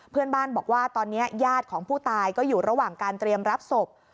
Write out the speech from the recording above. เพื่อนบ้านบอกว่าตอนนี้ญาติของผู้ตายก็อยู่ระหว่างการเตรียมรับศพ